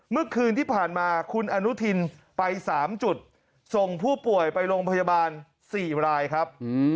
เมื่อคืนที่ผ่านมาคุณอนุทินไป๓จุดส่งผู้ป่วยไปโรงพยาบาล๔รายครับ